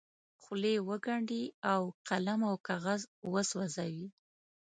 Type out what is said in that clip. خولې وګنډي او قلم او کاغذ وسوځوي.